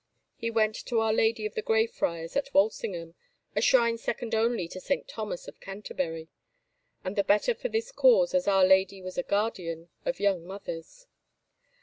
He went to Our Lady of the Gray Friars at Walsingham, a shrine second only to Saint Thomas of Canterbury, and the better for this cause as Our Lady was a guardian of young mothers.